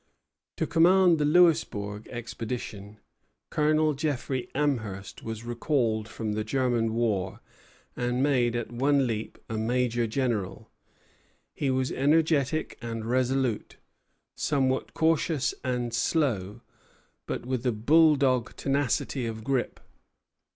To command the Louisbourg expedition, Colonel Jeffrey Amherst was recalled from the German war, and made at one leap a major general. He was energetic and resolute, somewhat cautious and slow, but with a bulldog tenacity of grip.